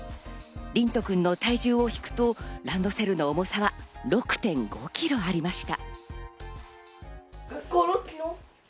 リント君の体重を引くとランドセルの重さは６．５ｋｇありました。